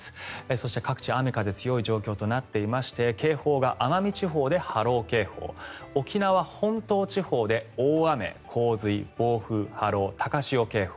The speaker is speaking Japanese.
そして各地雨風強い状況となっていまして警報が奄美地方で波浪警報沖縄本島地方で大雨、洪水、暴風波浪、高潮警報。